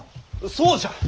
そうじゃ。